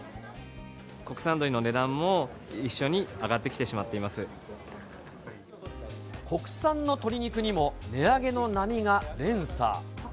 国産鶏の値段も一緒に上がっ国産の鶏肉にも値上げの波が連鎖。